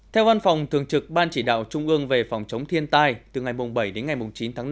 theo văn phòng thường trực ban chỉ đạo trung ương về phòng chống thiên tai từ ngày bảy đến ngày chín tháng năm